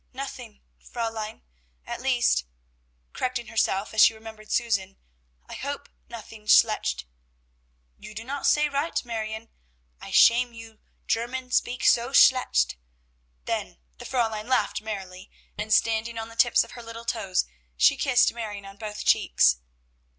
"Nothing, Fräulein. At least," correcting herself as she remembered Susan, "I hope nothing schlecht." "You do not say right, Marione; I shame you German speak so schlecht." Then the Fräulein laughed merrily, and standing on the tips of her little toes she kissed Marion on both cheeks.